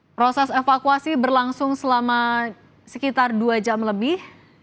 proses evakuasi berlangsung selama sekitar dua jam lebih